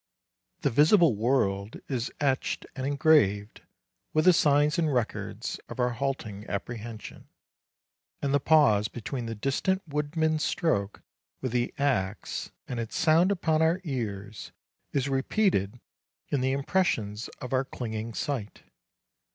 The visible world is etched and engraved with the signs and records of our halting apprehension; and the pause between the distant woodman's stroke with the axe and its sound upon our ears is repeated in the impressions of our clinging sight.